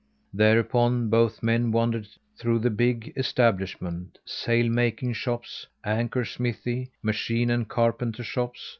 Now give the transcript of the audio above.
Thereupon both men wandered through the big establishment: sail making shops, anchor smithy, machine and carpenter shops.